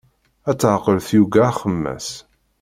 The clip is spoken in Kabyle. Ad teɛqel tyuga axemmas.